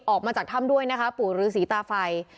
ออกมาจากถ้ำด้วยปรูดรู้สีตาไฟ